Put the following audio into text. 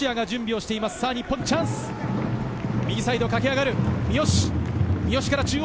右サイド、駆け上がる三好。